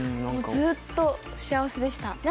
ずっと幸せでした。